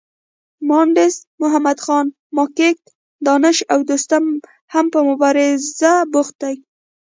مانډس محمدخان، ماکیک، دانش او دوستم هم په مبارزه بوخت دي.